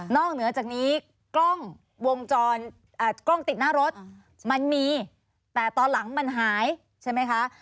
นอกเหนือจากนี้กล้องติดหน้ารถมันมีแต่ตอนหลังมันหายใช่ไหมคะ